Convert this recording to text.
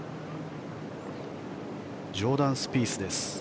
ジョーダン・スピースです。